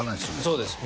そうです